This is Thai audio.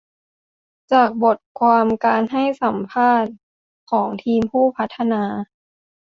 จากบทความการให้สัมภาษณ์ของทีมผู้พัฒนา